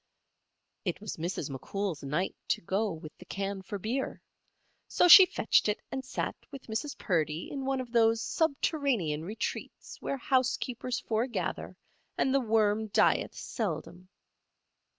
It was Mrs. McCool's night to go with the can for beer. So she fetched it and sat with Mrs. Purdy in one of those subterranean retreats where house keepers foregather and the worm dieth seldom.